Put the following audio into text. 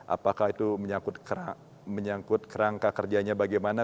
apakah itu menyangkut kerangka kerjanya bagaimana